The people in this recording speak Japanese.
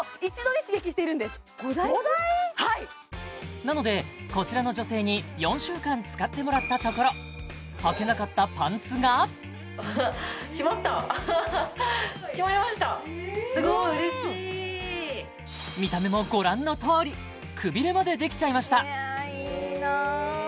はいなのでこちらの女性に４週間使ってもらったところ閉まりましたすごい嬉しい見た目もご覧のとおりクビレまでできちゃいましたいや